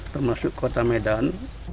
termasuk kota medan